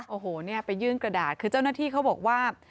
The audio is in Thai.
โอ้โหเนี่ยไปยื่นกระดาษคือเจ้าหน้าที่เขาบอกว่า